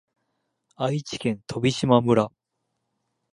愛知県飛島村